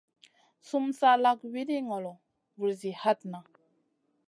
Sumun sa lak wiɗi ŋolo, vulzi hatna.